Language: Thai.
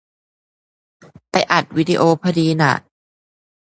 ไปอัดวิดีโอพอดีน่ะ